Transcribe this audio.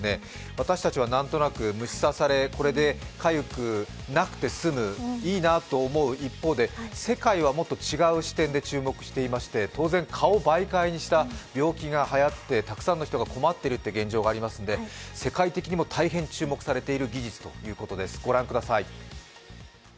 私たちはなんとなく虫刺され、これでかゆくなくてすむ、いいなと思う一方で、世界はもっと違う視点で、注目していまして、当然、蚊を媒介にした病気がはやってたくさんの人が困っているという現状がありますので、世界的にも大変注目されているという技術です、ご覧ください。